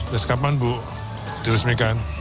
ya sekepan bu diresmikan